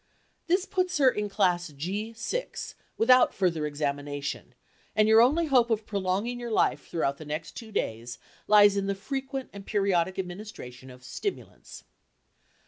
This puts her in class G 6 without further examination, and your only hope of prolonging your life throughout the next two days lies in the frequent and periodic administration of stimulants.